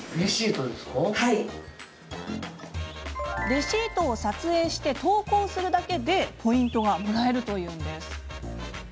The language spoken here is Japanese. レシートを撮影して投稿するだけでポイントがもらえるというんです。